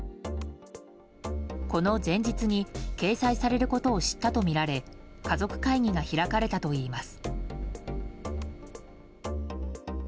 この前日に掲載されることを知ったとみられ家族会議が開かれたといいます。